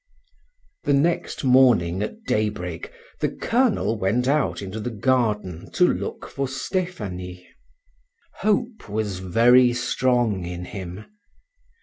The next morning at daybreak the colonel went out into the garden to look for Stephanie; hope was very strong in him.